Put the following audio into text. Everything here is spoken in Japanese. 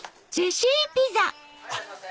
いらっしゃいませ。